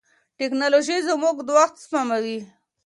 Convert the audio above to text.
ټیکنالوژي زموږ وخت سپموي.